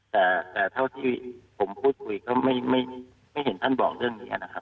แต่เท่าที่ผมพูดคุยก็ไม่เห็นท่านบอกเรื่องนี้นะครับ